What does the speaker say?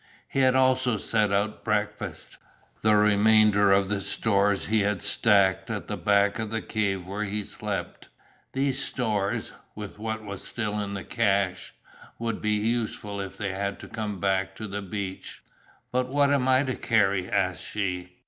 He had also set out breakfast. The remainder of the stores he had stacked at the back of the cave where he slept. These stores, with what was still in the cache, would be useful if they had to come back to the beach. "But what am I to carry?" asked she.